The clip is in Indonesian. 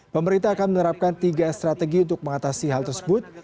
pemerintah akan menerapkan tiga strategi untuk mengatasi hal tersebut